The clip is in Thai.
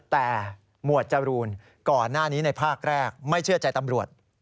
แต่หมวดจรูนก่อนหน้านี้ในภาคแรกไม่เชื่อใจตำรวจ